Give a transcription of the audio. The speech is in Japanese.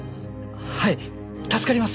はい助かります！